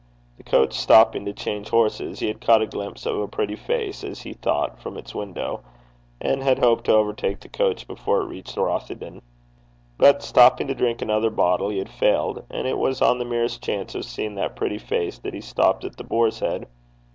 The coach stopping to change horses, he had caught a glimpse of a pretty face, as he thought, from its window, and had hoped to overtake the coach before it reached Rothieden. But stopping to drink another bottle, he had failed; and it was on the merest chance of seeing that pretty face that he stopped at The Boar's Head.